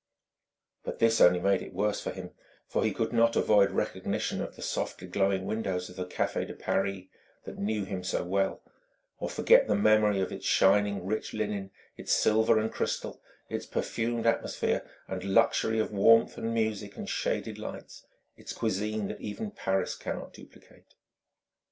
But this only made it worse for him, for he could not avoid recognition of the softly glowing windows of the Café de Paris that knew him so well, or forget the memory of its shining rich linen, its silver and crystal, its perfumed atmosphere and luxury of warmth and music and shaded lights, its cuisine that even Paris cannot duplicate.